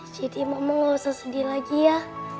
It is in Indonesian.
jadi mama gak usah sedih lagi ya